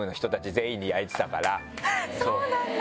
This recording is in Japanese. そうなんだ！